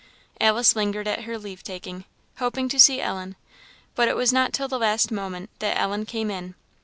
Alice lingered at her leave taking, hoping to see Ellen but it was not till the last moment that Ellen came in.